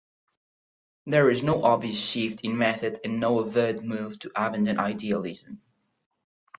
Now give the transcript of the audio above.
There is no obvious shift in method and no overt move to abandon idealism.